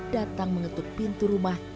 datang mengetuk pintu rumah